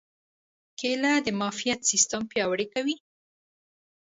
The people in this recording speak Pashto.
کېله د معافیت سیستم پیاوړی کوي.